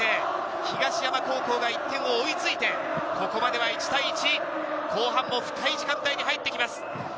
東山高校が１点を追いついて、ここまでは１対１、後半も深い時間帯に入ってきます。